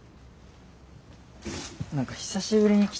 何か久しぶりに来たな